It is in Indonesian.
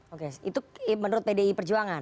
oke itu menurut pdi perjuangan